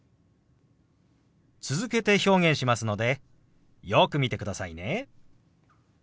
続けて表現しますのでよく見てくださいね。